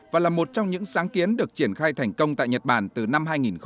và là một trong những sáng kiến được triển khai thành công tại nhật bản từ năm hai nghìn một mươi